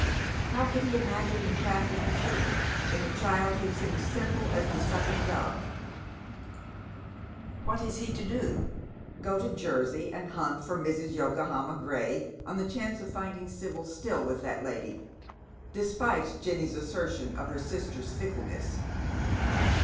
How could he imagine the craft of the serpent in a child who seemed simple as the sucking dove ? What is he to do ? Go to Jersey and hunt for Mrs. Yokohama Gray on the chance of finding Sibyl still with that lady, despite Jenny's assertion of her sister's fickleness?